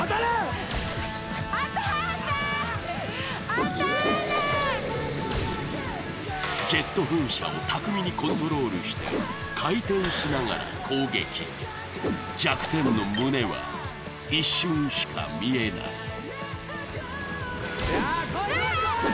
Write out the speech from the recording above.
当たんないジェット噴射を巧みにコントロールして回転しながら攻撃弱点の胸は一瞬しか見えないいや来い来い来い！